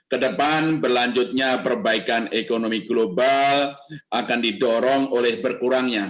kedepan berlanjutnya perbaikan ekonomi global akan didorong oleh berkurangnya